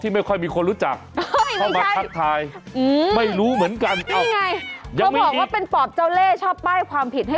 ไม่รู้เหมือนกันยังไม่อีก